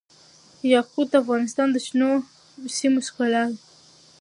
یاقوت د افغانستان د شنو سیمو ښکلا ده.